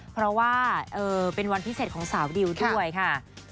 เพราะว่าเป็นวันพิเศษของสาวดิวด้วยค่ะ